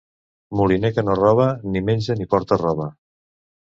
Moliner que no roba, ni menja ni porta roba.